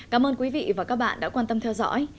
cảm ơn quý vị và các bạn đã quan tâm theo dõi